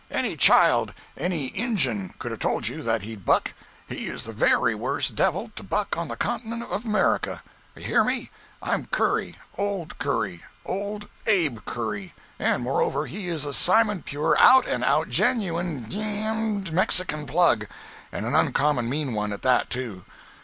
Any child, any Injun, could have told you that he'd buck; he is the very worst devil to buck on the continent of America. You hear me. I'm Curry. Old Curry. Old Abe Curry. And moreover, he is a simon pure, out and out, genuine d—d Mexican plug, and an uncommon mean one at that, too.